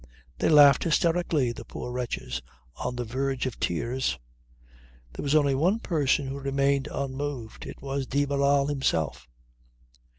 They laughed hysterically the poor wretches on the verge of tears. There was only one person who remained unmoved. It was de Barral himself.